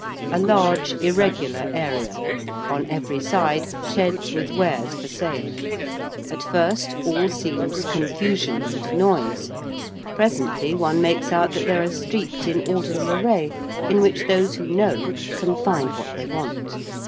A large irregular area. On every side sheds with wares for sale: at first all seems confusion and noise: presently one makes out that there are streets in orderly array, in which those who know can find what they want.